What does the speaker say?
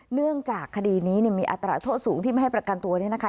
เนื่องจากคดีนี้มีอัตราโทษสูงที่ไม่ให้ประกันตัวเนี่ยนะคะ